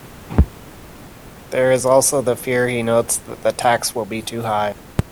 There is also the fear, he notes, that the tax will be too high.